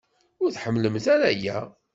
Ur tḥemmlem ara aya?